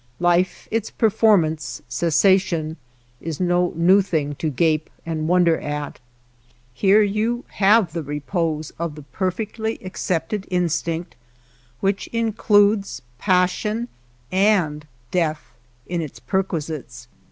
Life, its performance, cessation, is no new thing to gape and wonder at. Here you have the repose of the per \^ fectly accepted instinct which includes pas (^ sion and death in its perquisites.